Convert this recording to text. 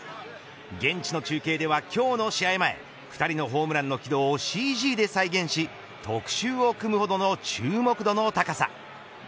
現地の中継では、今日の試合前２人のホームランの軌道をＣＧで再現し特集を組むほどの注目度の高さ。